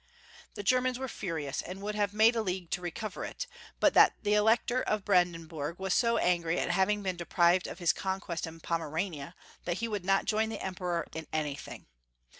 The Germans were furious, and would have made a league to recover it, but that the Elector of Brandenburg was so angry at having been deprived of his conquest in Pomerania that he would not join the Emperor in anything.